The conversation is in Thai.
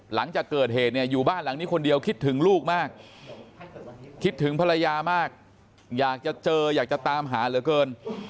หลังจากเกิดเหตุเนี่ยอยู่บ้านหลังนี้คนเดียวคิดถึงลูกมากคิดถึงภรรยามากอยากจะเจออยากจะตามหาเหลือเกิน